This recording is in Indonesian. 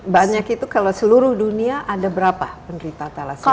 banyak itu kalau seluruh dunia ada berapa penderita thalassemia